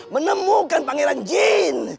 menemukan pangeran jin